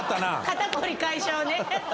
肩凝り解消ね。